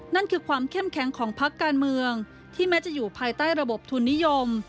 นั่นคือความเข้มแข็งของพักการเมืองที่แม้จะอยู่ภายใต้ระบบทุนนิยม